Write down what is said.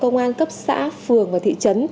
công an cấp xã phường và thị trấn